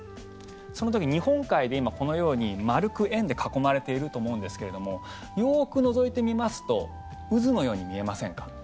その時、日本海で今このように丸く円で囲まれていると思うんですけれどもよくのぞいてみますと渦のように見えませんか？